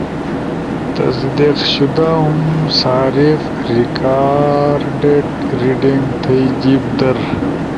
تصدیق شدہم صارف ریکارڈیٹ ریڈنگ تھئی جیِب در